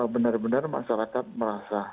benar benar masyarakat merasa